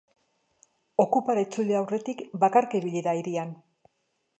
Okupara itzuli aurretik, bakarka ibili da hirian.